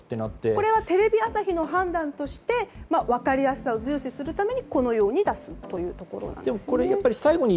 これはテレビ朝日の判断として分かりやすさを重視するためにこのように出すというところです。